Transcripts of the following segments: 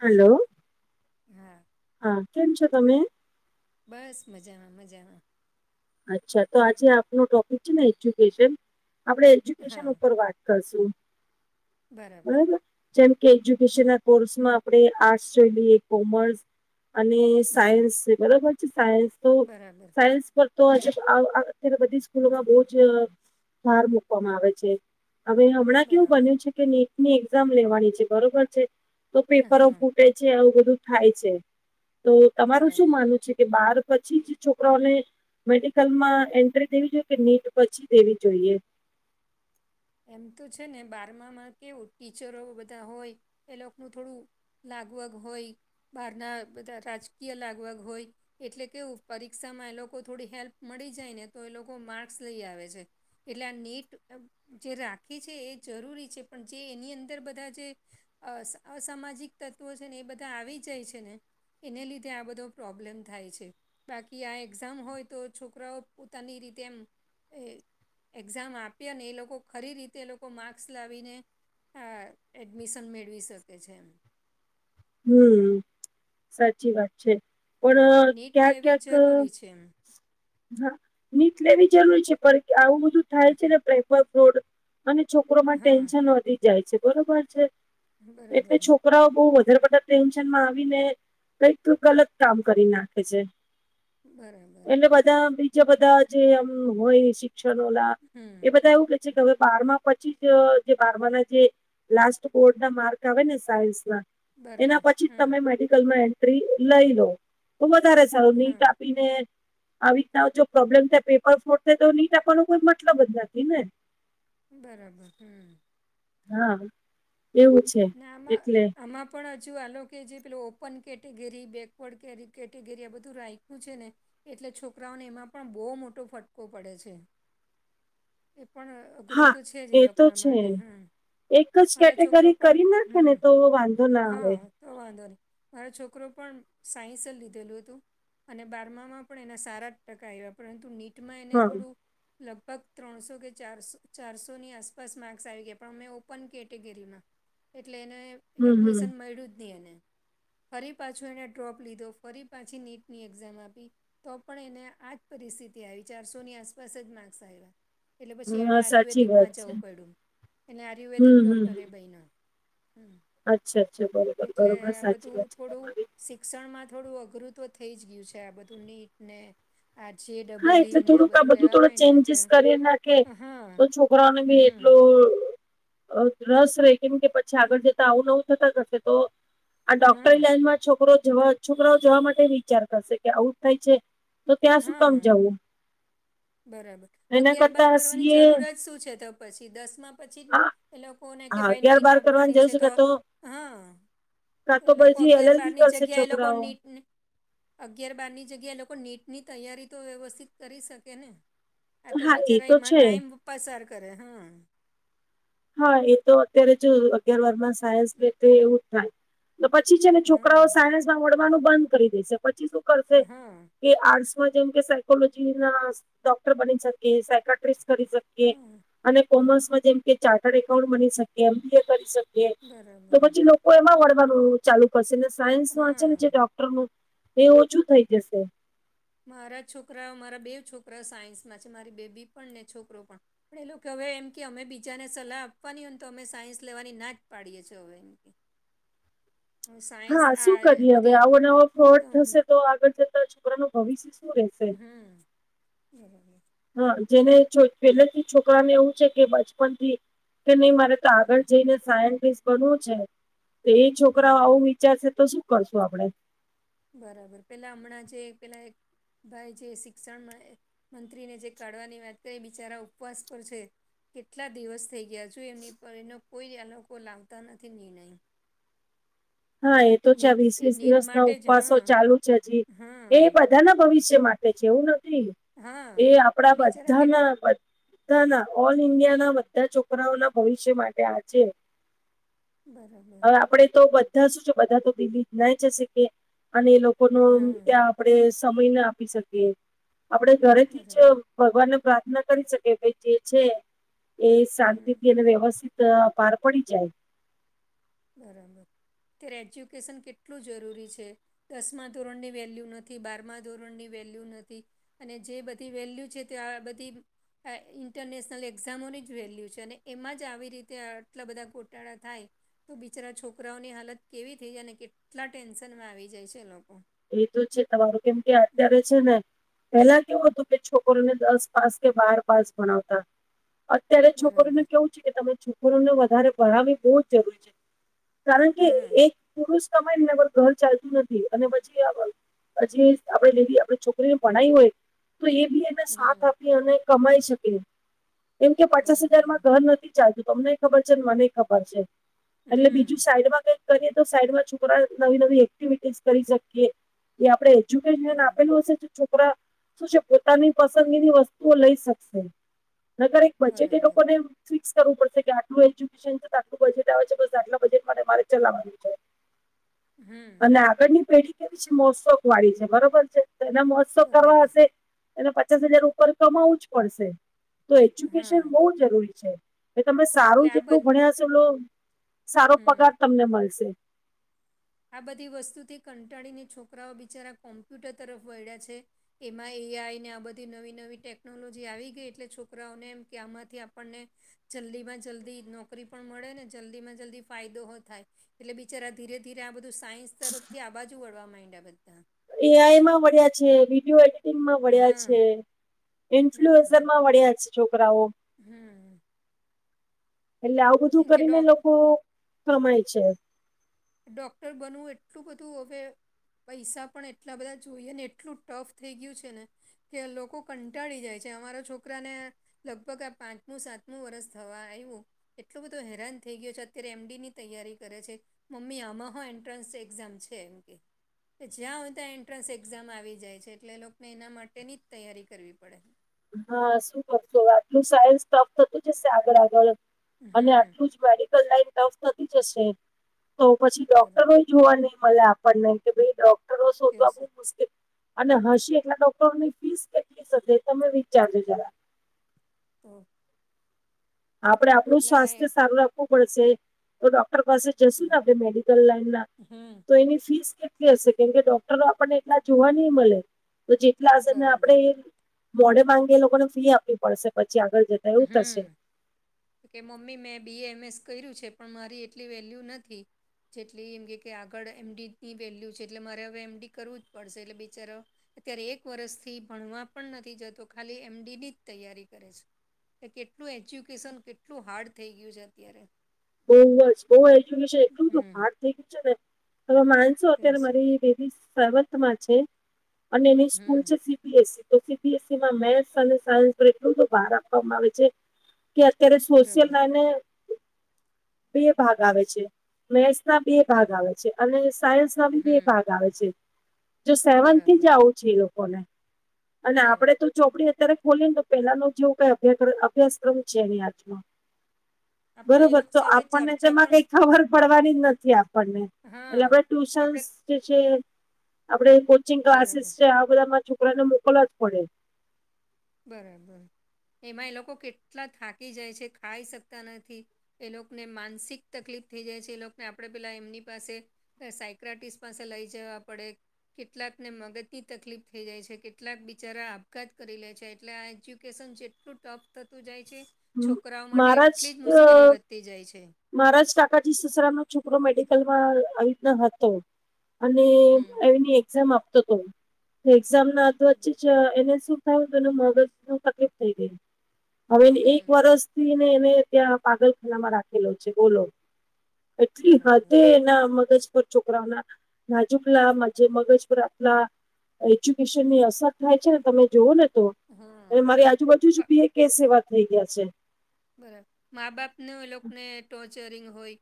Hello. હા. હા, કેમ છ તમે? બસ, મજામાં, મજામાં. અચ્છા, તો આજે આપનો ટોપિક છે ને એજ્યુકેશન આપણે એજ્યુકેશન હા ઉપર વાત કરશુ બરાબર, જેમ કે હમ એજ્યુકેશનના કોર્સમાં આપણે આર્ટસ જોઈ લઈએ, કોમર્સ અને હમ સાયન્સ છે બરોબર છે સાયન્સ તો બરાબર સાયન્સ પર તો આજે અત્યારે બધી સ્કૂલોમાં બો જ ભાર મુૂકવામાં આવે છે. હવે, હમણાં કેવું બરાબર બન્યું છે કે નેટની એક્ઝામ લેવાની છે, બરોબર છે તો પેપરો હા ફૂટે છે, આવું બધું થાય છે તો તમારું શું બરાબર માનવું છે કે બાર પછી જ છોકરાઓને મેડિકલમાં એન્ટ્રી દેવી જોઈએ, કે નીટ પછી દેવી જોઈએ? એમ તો છે ને બારમામાં કેવું ટીચરો બધા હોય એ લોકોનું થોડું લાગવગ હોય બહારના બધા રાજકીય લાગવગ હોય એટલે કેવું પરીક્ષામાં એ લોકો થોડી હેલ્પ મળી જાય ને તો એ લોકો માર્ક્સ લઈ આવે છે. એટલે આ નેટ જે રાખે છે, એ જરૂરી છે પણ જે એની અંદર બધા જે અ અસામાજિક તત્વો છે ને એ બધા આવી જાય છે ને એને લીધે આ બધો પ્રોબ્લેમ થાય છે. બાકી આ એક્ઝામ હોય તો છોકરાઓ પોતાની રીતે એમ એક્ઝામ આપી અને એ લોકો લોકો ખરી રીતે એ લોકો માર્ક્સ લાવીને આ એડમિશન મેળવી શકે છે એમ. હમ્મ, સાચી વાત. છે, એટલે પણ નીટ લેવી ક્યાં-ક્યાંક જરૂરી છે એમ હા, નીટ લેવી જરૂરી છે પણ આવું બધું થાય છે ને પ્રેફર ફોડ અને છોકરોમાં હા ટેન્શન વધી જાય છે, બરોબર છે. એટલે બરાબર છોકરાઓ બહુ વધારે ટેન્શનમાં આવીને કઈક ગલત કામ કરી નાખે છે. બરાબર એટલે બધા બીજા બધા જેમ હોય [unintelligible] હમ એ બધા એવું કે છે, કે હવે બારમાં પછી જ બાર ના જે લાસ્ટ બોર્ડના માર્ક આવે ને સાયન્સમાં એના બરાબર પછી જ તમે હમ મેડિકલમાં એન્ટ્રી લઈ લો તો વધારે સારું હા નીટ આપીને આવી રીતના જો પ્રોબ્લેમ થાય પેપર ફોડ થાય, તો નીટ આપવાનો કોઈ મતલબ જ નથી ને? બરાબર, હમ્મ. હા, એવું છે. ના, એટલે આમાં પણ હજુ આલો કે જે પે ઓપન કેટેગરી બેકવર્ડ કેટેગરી આ બધું રાખ્યું છે ને એટલે છોકરાઓને એમાં પણ બહુ મોટો ફટકો પડે છે, એ પણ અઘરું હા તો છે જ એ તો લોકોના છે માટે, હા એક જ મારા છોકરો કેટેગરી પણ કરી નાખે ને હમ તો વાંધો ના આવે. હા તો વાંધો નહી મારા છોકરો પણ સાયન્સ લીધેલું હતું. અને બારમામાં પણ એના સારા ટકા આવ્યા પરંતુ નીટમાં એને હા થોડું લગભગ ત્રણસો કે ચારસોની આસપાસ માર્ક્સ આવી ગયા પણ અમે ઓપન કેટેગરીમાં એટલે એને હમ હમ એડમિશન મળ્યું જ નહી એને. ફરી પાછું એને ડ્રોપ લીધો ફરી પાછી નીટની એક્ઝામ આપી. તો પણ એને આજ પરિસ્થિતિ આવી ચારસોની આસપાસ જ માર્ક્સ આવ્યા. એટલે પછી એને હા સાચી વાત આયુર્વેદિકમાં છે જવું પડ્યું એને આયુર્વેદિક હમ હમ ડોક્ટરે એ બયના હમ્મ અચ્છા અચ્છા બરોબર બરોબર સાચી વાત છે થોડું તમારી શિક્ષણમાં થોડું અઘરું તો થઈ જ ગયું છે આ બધું નીટને આજે હા એટલે ડબલઈ ને આ થોડુંક બધું લેવા થોડો માંડ એટલે હા [unintelligible] રાનું બી હમ એટલું રસ રય કેમ કે પછી આગળ જતા આવું નવું થતા કરશે તો આ ડોક્ટરી હા લાઈન માં છોકરો જવા છોકરાઓ જવા માટે વિચાર કરશે કે આઉટ થાય છે તો ત્યાં શું કામ હા જવું બરાબર એના અગિયાર બાર કરતા કરવાની સીએ જરૂરત શું છે તો પછી દસ માં પછી આ એ લોકોને કે આ ભાઈ અગિયાર નીટ બાર કરવાની આપવાની જરૂર છે તો કા હા કા તો એ લોકો પછી એલ અગિયાર એલ બાર બી ની કરશે જગ્યા એ લોકો છોકરાઓ નીટ અગિયાર બારની જગ્યાએ લોકો નીટની તૈયારી તો વ્યવસ્થિત કરી શકે ને આ તો હા એ બિચારા તો એમાં છે ટાઈમ પસાર કરે હા હા એ તો અત્યારે જો અગિયાર વાર માં સાયન્સ બે એવું જ થાય તો પછી છે ને હા છોકરાઓ સાયન્સમાં મળવાનું બંધ કરી દેશે પછી શું કરશે હા કે આર્ટસમાં જેમ કે સાયકોલોજી ના ડોક્ટર બની શકે સાયટ્રીસ્ટ કરી શકીએ હા અને કોમર્સમાં જેમ કે ચાર્ટર્ડ એકાઉન્ટ બની શકી એમ બી એ કરી સકીએ તો બરાબર પછી લોકો એમાં વળવાનું ચાલુ કરશે ને સાયન્સ છે ને જે હા ડોક્ટર નું એ ઓછું થઇ જશે મારા છોકરાઓ મારા બે છોકરાઓ સાયન્સમાં છે મારી બેબી પણ ને છોકરો પણ આપ એ લોકો હવે એમ કે અમે બીજાને સલાહ આપવાની હોય તો અમે સાયન્સ લેવાની ના જ પાડીએ છીએ હવે એમ [inaudible] હું સાયન્સ હા શું આ કરીએ હવે બધી આવો નવો ફ્રોડ થશે તો આગળ જતા છોકરા ન ભવિષ્ય શું રેશે હમ્મ બરાબર હા જેને પેલેથી છોકરા ને એવું છે કે બચપન થી કે નહી મારે આગળ હમ જઈને સાયન્ટિસ બનવું છે તો એ છોકરા હા આવું ચાલશે તો શું કરશું આપડે બરાબર પેલા હમણાં જે પેલા ભાઈ જે શિક્ષણ મંત્રીને જે કાઢવાની વાત કરી બિચારા ઉપવાસ પર છે કેટલા દિવસ થઈ ગયા છું એમની પર એનો કોઈ આ લોકો લાવતા નથી નિર્ણય હા એ તો છે નીટ વીસ એ વીસ નીટ દિવસ ના માટે જ ઉપવાસો હા ચાલુ છે હજી એ હા બધ બધા ના ભવિષ્ય માટે છે એવું નથી હા એ આપડા એ બિચારા કે બધાના ના ના ઓલ ઇન્ડિયા ના બધા છોકરાઓ ના ભવિષ્ય માટે આ છે બરાબર હવે આપણેે તો બધા શું છે બધા તો દિલ્લી ના જઈ શકીએ અને એ લોકો કો હા ત્યાં આપણે સમય ના આપી શકીએ આપણે ઘરેથી જ બરાબર ભગવાનને પ્રાર્થના કરી શકે કે જે છે એ શાંતિ હમ થી અને વ્યવસ્થિત પાર પડી જાય બરાબર ત્યારે એજ્યુકેશન કેટલું જરૂરી છે દસમા ધોરણ ની વેલ્યુ નથી બારમા ધોરણ ની વેલ્યુ નથી અને જે બધી વેલ્યુ છે તે બધી ઇન્ટરનેશનલ એક્ઝામોની જ વેલ્યુ છે અને એમાં જ આવી રીતે આટલા બધા ગોટાળા થાય તો બિચાર છોકરાઓની હાલત કેવી થઈ જાય અને કેટલા ટેન્શનમાં આવી જાય છે એ લોકો એ તો છે તમારું કેમ કે હમ અત્યારે છે ને પેલા કેવું હતું કે છોકર્યુંને દસ પાસ કે બાર પાસ ભણાવતા અત્યારે છોકરીને બરાબર કેવું છે કે તમે છોકરુંને વધારે ભણાવવી બહુ જ જરૂરી છે કારણ કે હા એક પુરુષ કમાય ને એર ઘર ચાલતું નથી અને જે આપણે લેધ આપ છોકરીને ભણાવ હોય તો એ બી એને હમ સાથ આપ કમાઈ શકે એમ કે પચાસ હજારમાં બરાબર ઘર નથી ચાલું તમને ખબર છે ને મને ખબર છે એટલે બીજું હમ સાઈડમાં કઈક કરીએ તો સાઈડમાં છોકરા નવી નવી એક્ટિવિટીઝ કરી શકીએ. એ આપડે એજ્યુકેશન બરાબર આપેલું હશે છોકરા શું છે પોતાની પસંદગીની વસ્તુઓ લઈ શકશે. નકર એક બચત એ બરાબર લોકો ને ફિક્સ કરવું પડશે આટલું એજ્યુકેશન તો આટલુ બજેટ આવે છે બસ આટલા બજેટ મા તમારે ચલાવાનું છે. હમ અને આગળની પેઢી કેવી છે મોજશોખ વાળી છે બરોબર છે એના મો કરવા બરાબર હશે અને પચાસ હજાર ઉપર કમાવું જ પડશે તો હા એજ્યુકેશન બ એટલે જરૂરી છે તમે સારું આ જેટલું બધ ભણ્યા હશો એટલુ સારો હમ પગાર તમને મળશે આ બધી વસ્તુથી કંટાળીને છોકરાઓ બિચારા કોમ્પ્યુટર તરફ વળ્યા છે. એમાં એઆઈ ને આ બધી નવી નવી ટેકનોલોજી આવી ગઈ એટલે છોકરાઓને એમ કે આમાંથી આપણને જલ્દી માં જલ્દી નોકરી પણ મળે ને જલ્દી માં જલ્દી ફાયદો થાય એટલે બિચાર ધીરે ધીરે આ બધું સાયન્સ તરફથી આ બાજુ વળવા માંડ્યા બધા એઆઈ માં વળ્યા છે [unintelligible] [unintelligible] વળ્યા હા છે ઇન્ફ્લુએઝર બરાબર માં વળ્યા છે છોકરાઓ હમ એટલે આવું બધું કેમ કે કરીને ડોક લોકો કમાય છે. ડોક્ટર બનવું એટલું બધું હવે પૈસા પણ એટલા બધા જોઈએ ને એટલું ટફ થઈ ગયું છે ને કે લોકો કંટાળી જાય છે અમારા છોકરા ને લગભગ આ પાંચમું સાતમું વરસ થવા આવ્યું એટલો બધો હેરાન થઈ ગયો છે અત્યારે એમડી ની તૈયારી કરે છે. મમ્મી આમાંહ એન્ટ્રન્સ એક્ઝામ છે એમ કે કે જ્યાં હોય ત્યાં એન્ટ્રન્સ એક્ઝામ આવી જાય છે એટલે લોકોને એના માટેની જ તૈયારી કરવી પડે. હા શું કરશો આટલું સાયન્સ ટફ થતું જ હશે આગળ આગળ અને હમ આટલું જ મેડિકલ લાઈન ટફ થતી જશે તો પછી બરાબર ડોક્ટરોય જોવા નહી મળે આપણને કે ભાઈ ડોક્ટરો ત્યો શોધવા બહુ શું? મુશ્કેલ અને હશે એટલા ડોક્ટરોની ફીસ કેટલી સાથે તમે વિચારજો જરા તેં આપડે આપણું આ સ્વાસ્થ્ય એ- સારું રાખવું પડશે તો ડોક્ટર પાસે જઈશુ ને આપણે મેડિકલ લાઈન ના હમ તો એની ફીસ કે હશે કેમ કે ડોક્ટરો આપણને એટલા જોવા નહી મળે તો જેટલા હશે ને આપણે બરાબર એ મોઢેમાગેલી લોકોને ફી આપવી પડશે પછી આગળ જતા એવું થશે હમ કે મમ્મી મેં બી એ એમ એસ કર્યું છે પણ મારી એટલી વેલ્યુ નથી. જેટલી એમ કે કે આગળ એમડીની વેલ્યુ એટલે મારે હવે એમડી કરવું જ પડશે એટલે બિચારો અત્યારે એક વરસ થી ભણવા પણ નથી જતો ખાલી એમડીડી જ તૈયારી કરે છે કે કેટલું એજ્યુકેશન કેટલું હાર્ડ થઈ ગયું છે અત્યારે [unintelligible] બઉ એજ્યુકેશન એટલુ હમ હારડ થઈ ગયું છે ને હવે [unintelligible] ત્યાં અત્યારે સુ- મારી બેબી સેવન્થમાં છે અને એની સ્કૂલ હમ છે ફિકલ્સ તો સીબીએસસીમાં મેથ્સ અને સાયન્સ પર એટલો બધો ભાર આપવામાં આવે છે. કે અત્યારે સોશિયલ બરાબર માને બે ભાગ આવે છે મેથ્સ ના બે ભાગ બરાબર આવે છે અને સાયન્સ ના બી બે હમ ભાગ આવે છે જો સેવન થી જ બરાબર આવું છે એ લોકોને અને આપડે તો બરાબર ચોપડી અત્યારે ખોલીને [unintelligible] આપડે એ બરોબર લોકો તો સાથે આપણને ચર્ચા તેમાં પણ કઈ હમ, ખબર પડવાની નથી આપને એટલે આપ હા ટ્યુશન્સ આપણે જે છે આપણે. જેમ કે ક્લાસીસ બરાબર છે આપડા છોકરાને મોકલવા જ પડે. બરાબર એમાં એ લોકો કેટલા થાકી જાય છે ખાઈ શકતા નથી એ લોકોને માનસિક તકલીફ થઈ જાય છે એ લોકોને આપણે પેલા એમની પાસે. સાયક્રટિસ પાસે લઇ જવા પડે. કેટલાકને મગજ થી તકલીફ થઇ જાય છે. કેટલાક બિચારા આપઘાત કરી લે છે. એટલે આ એજ્યુકેશન જેટલું ટફ થતું જાય છે. છોકરાઓ માટે એટલી જ મુશ્કેલી વધતી જાય છે. મારા જ કાકાજી સસરાનો છોકરો મેડિકલમાં આવી રીતના હતો. અને હમ એની એક્ઝામ આપતો હતો. એક્ઝામ ના તો વચ્ચે બરાબર જ એને શું થાયું હતું એનું મગજ તકલીફ થઈ ગઈ. હવે એક હમ વરસ થી ને એને ત્યાં પાગલખાનામાં રાખેલો છે બોલો. એટલી બરાબર હદે એના મગજ- છોકરાઓના નાજુકલા માજ મગેશ્વરતલા. એજ્યુકેશનની અસર થાય છે ને તમે જુઓ ને તો- અને હા મારી આજુબાજુ જ બે કેશ એવા થઈ ગયા છે. બરાબર મા બાપનું એ લોકોને ટોર્ચરિંગ હોય.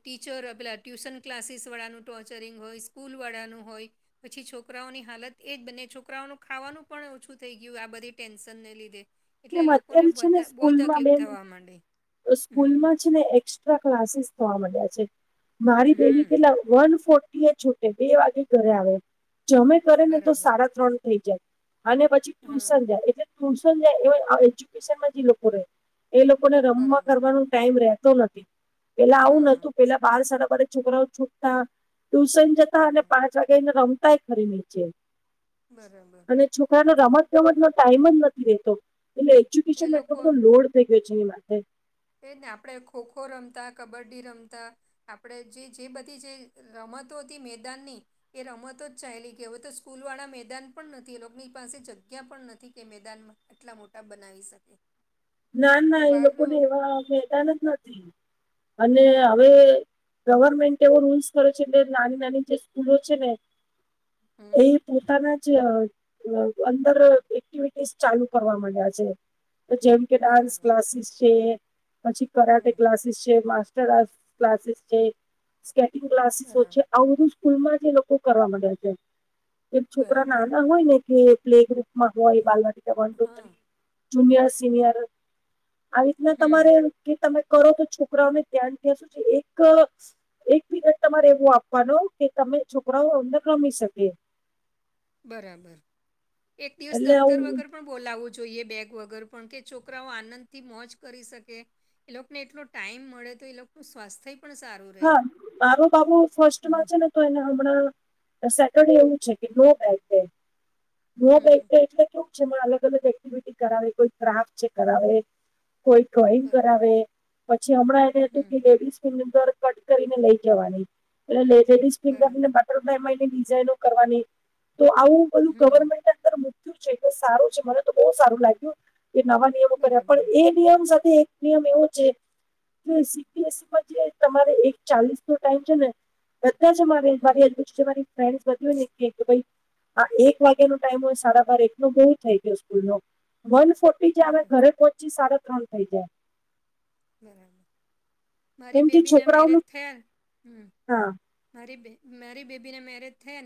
ટીચર પેલા ટ્યુશન ક્લાસીસ વાળાનું ટોર્ચરિંગ હોય સ્કૂલ વાળાનું હોય. પછી છોકરાઓની હાલત એજ બને છોકરાઓનું ખાવાનું પણ ઓછું થઈ ગયું આ બધી ટેન્શનને લીધે. એટલે કેમ એ અત લોકોને છે ને બધા બહુ સ્કૂલમાં તકલીફ બેન થવા માંડી હમ સ્કૂલમાં છે ને. ક્લાસીસ જોવા મળ્યા છે મારી બે- હમ વન ફોર્ટી એ છૂટે બે વાગે ઘરે આવે. કરે ને તો બરાબર સાડા ત્રણ થઈ જાય અને પછી હા ટ્યુશન જાય એટલે ટ્યુશન જાય એ એજ્યુકેશનમાં જે લોકો રહે એ લોકોને રમવા બરાબર કરવાનો ટાઈમ રતો નથી. પેલા આવું હા નતું પેલા બાર સાડાબારે છોકરાઓ છૂટતા. ટ્યુશન જતા અને હમ પાંચ વાગ્યા એને રમતાય ખરી નીચે. બરાબર. છોકરા ને રમત ગમત નો ટાઈમ જ નથી રેતો એટલે એ એજ્યુકેશન એટલો લોકો બધો લોડ ની માટે. એજ ને આપણેે ખોખો રમતા કબડ્ડી રમતા. આપણે જે જે બધી જે રમતો હતી મેદાનની. એ રમતો જ ચાલી ગઈ. હવે તો સ્કૂલ વાળા મેદાન પણ નથી એ લોકોની પાસે જગ્યા પણ નથી કે મેદાનમાં. આટલા મોટા બનાવી શકે. ના એટલે ના એ બહારનો લોકોનેવા મેદાન જ નથી. અને હમ હવે. ગવર્મેન્ટ એવો રૂલ્સ કરે છે નાની નાની જે સ્કૂલો છે ને હમ એ- પોતાના જ અંદર એક્ટિવિટીસ ચાલુ કરવા માંડ્યા છે. જેમ કે ડાન્સ બરાબર ક્લાસીસ છે પછી કરાટે. હમ ક્લાસીસ છે માસ્ટર ક્લાસીસ છે સ્કેટિંગ ક્લાસીસ છે બરાબર આવું બધું. સ્કૂલમાં જે લોકો કરવા માંડ્યા છે. એક છોકરા બરાબર નાના હોય ને કે પ્લેગુપ. [inaudible] ટુ થ હા જુનયર સિનિયર- આવી રીતના તમારે હમ કે તમે કરો તો છોકરાઓને ધ્યાનથી શું છે એક. એક દિવસ તમારે એવું આપવાનો કે તમે છોકરાઓ અંદર રમી શકે. બરાબર એક દિવસ એટલે દફતર આવું વગર. પણ બોલાવવું જોઈએ બેગ વગર પણ કે છોકરાઓ આનંદ થી મોજ કરી શકે. એ લોકોને એટલો ટાઈમ મળે તો એ લોકોનું સ્વાસ્થ્ય પણ સારું. રહે હા મારું બાબુ હમ ફસ્ટમાં છે ને. તો એના હમણાં સેટરડે એવું છે કે ન તારીખે. હમ એટલે કેવું છે અલગ અલગ એક્ટિવિટી કરાવે કોઈ ક્રાફ્ટ છે કરાવે. કોઈ ડ્રોઈંગ બરાબર કરાવે પછી હમણાં એને હતું કે હમ લેડીઝની અંદર. કટ કરીને લઈ જવાની એટલે લેડીસ ફિંગરને- બરાબર એમને ડિઝાઇનો કરવાની તો આવું બધું હમ ગવર્મેન્ટ અંદર- સારું છે મને તો બહુ સારું લાગ્યું એ નવા નિયમો કર્યા પણ બરાબર એ- નિયમ સાથે એક નિયમ એવો છે કે સીપીએસમાં જે- તમારે એક ચાલીસનો ટાઈમ છે ને બધાજ આમારે હમ મારી જે મારી પેરસ પડતી હોય ને કે એક ભાઈ આ એક વાગ્યાનો ટાઈમ હોય સાડાબાર એકનો કેવો થઈ ગયો સ્કૂલનો વન ફો બરાબર ઘરે પહોંચી સાડા ત્રણ થઈ જાય બરાબર મારી કેમ કે બેબીના મેરેજ છોકરાઓનું થયા હમ હા મારી બે મારી બેબીને મેરેજ થયા ને